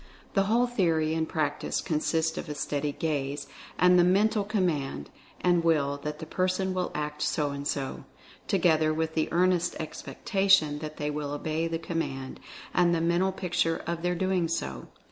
The whole theory and practice con sists of a steady gaze, and the Mental command, and will, that the person will act so and so, together with the earnest expectation that they will obey the com mand, and the mental picture of their doing so.